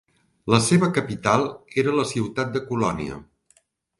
La seva capital era la ciutat de Colònia.